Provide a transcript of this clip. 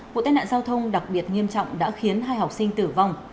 vụ tai nạn giao thông đặc biệt nghiêm trọng đã khiến hai học sinh tử vong